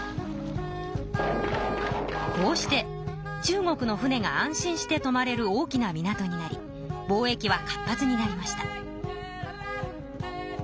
こうして中国の船が安心してとまれる大きな港になり貿易は活発になりました。